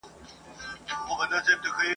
چي فطرت دي